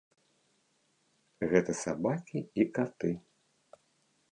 Гэта сабакі і каты.